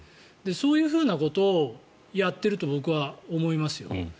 そういうふうなことをやっていると僕は思いますよ。